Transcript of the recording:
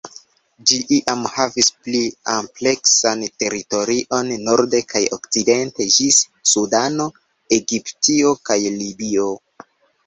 Ĝi iam havis pli ampleksan teritorion norde kaj okcidente ĝis Sudano, Egiptio, kaj Libio.